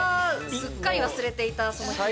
すっかり忘れていたその機能を。